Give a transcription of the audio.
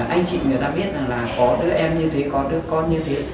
anh chị người ta biết rằng là có đứa em như thấy có đứa con như thế